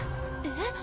えっ？